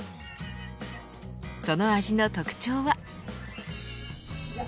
その味の特徴は。